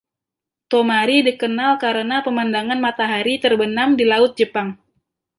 Tomari dikenal karena pemandangan matahari terbenam di Laut Jepang.